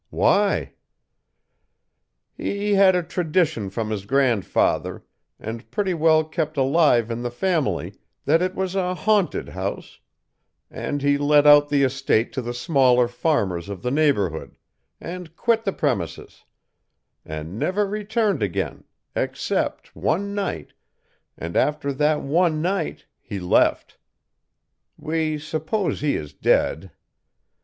"'Why?' "'He had a tradition from his grandfather, and pretty well kept alive in the family, that it was a haunted house; and he let out the estate to the smaller farmers of the neighborhood, and quit the premises, and never returned again, except one night, and after that one night he left. We suppose he is dead.